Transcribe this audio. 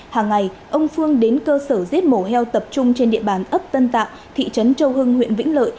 hàng ngày ông phương đến cơ sở giết mổ heo tập trung trên địa bàn ấp tân tạo thị trấn châu hưng huyện vĩnh lợi